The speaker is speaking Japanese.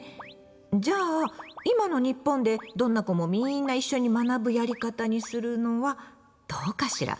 じゃあ今の日本でどんな子もみんな一緒に学ぶやり方にするのはどうかしら。